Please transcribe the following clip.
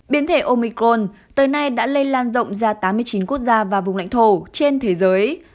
biến thể omicron tới nay đã lây lan rộng ra tám mươi chín quốc gia và vùng lãnh thổ trên thế giới